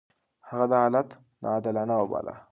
هغه دا حالت ناعادلانه وباله.